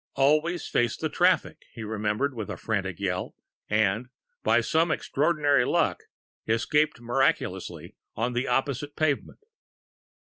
"Always face the traffic!" he remembered with a frantic yell and, by some extraordinary luck, escaped miraculously on to the opposite pavement....